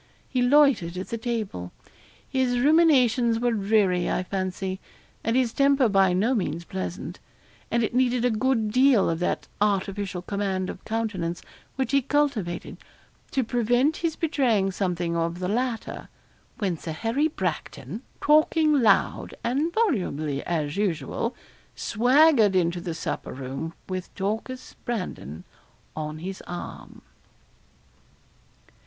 He loitered at the table. His ruminations were dreary, I fancy, and his temper by no means pleasant; and it needed a good deal of that artificial command of countenance which he cultivated, to prevent his betraying something of the latter, when Sir Harry Bracton, talking loud and volubly as usual, swaggered into the supper room, with Dorcas Brandon on his arm.